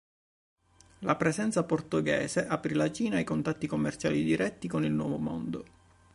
La presenza portoghese aprì la Cina ai contatti commerciali diretti con il Nuovo Mondo.